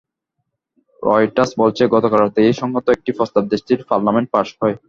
Reuters বলছে, গতকাল রাতে এ-সংক্রান্ত একটি প্রস্তাব দেশটির পার্লামেন্টে পাস হয়।